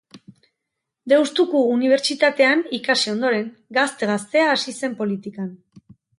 Deustuko Unibertsitatean ikasi ondoren, gazte-gaztea hasi zen politikan.